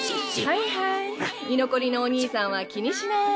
はいはい居残りのおにいさんは気にしない。